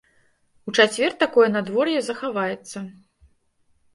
У чацвер такое надвор'е захаваецца.